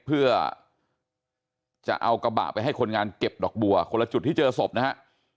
เพื่อจะเอากระบะไปให้คนงานเก็บดอกบัวคนละจุดที่เจอศพนะฮะ